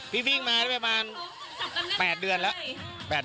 พี่วิ่งมาได้ประมาณ๘เดือนแล้ว